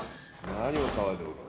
何を騒いでおる？